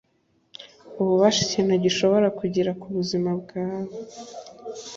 ububasha ikintu gishobora kugira ku buzima bwawe